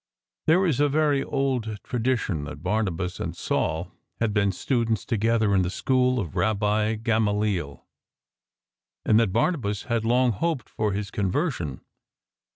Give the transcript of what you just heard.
There is a very old tradition that Barnabas and Saul had been students together in the school of Rabbi Gamaliel, and that Barnabas had long hoped for his conversion.